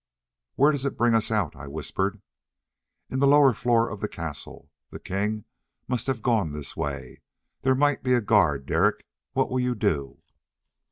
"Where does it bring us out?" I whispered. "Into the lower floor of the castle. The king must have gone this way. There might be a guard, Derek. What will you do?"